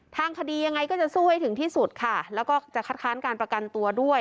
ทางคดียังไงก็จะสู้ให้ถึงที่สุดค่ะแล้วก็จะคัดค้านการประกันตัวด้วย